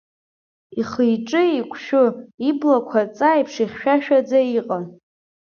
Ихы-иҿы еиқәшәы, иблақәа аҵаа аиԥш ихьшәашәаӡа иҟан.